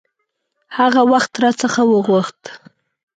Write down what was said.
هغه وخت را څخه وغوښت.